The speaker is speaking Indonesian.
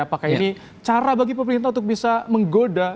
apakah ini cara bagi pemerintah untuk bisa menggoda